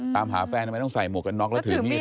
ตามหาแฟนทำไมต้องใส่หมวกกันน็อกแล้วถือมีด